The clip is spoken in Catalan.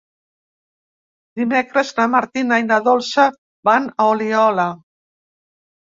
Dimecres na Martina i na Dolça van a Oliola.